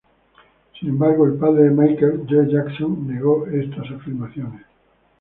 Sin embargo, el padre de Michael, Joe Jackson, negó estas afirmaciones.